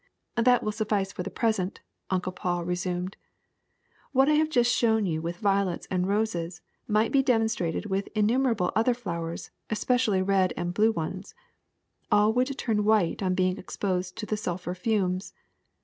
^^That will suffice for the present," Uncle Paul re sumed. '^What I have just shown you with violets and roses might be demonstrated with innumerable other flowers, especially red and blue ones : all would turn white on being exposed to the sulphur fumes.